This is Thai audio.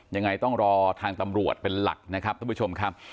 ยังไงต้องรอทางตำรวจเป็นหลักนะครับท่านผู้ชมครับ